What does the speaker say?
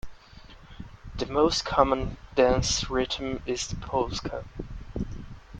The most common dance rhythm is the polska.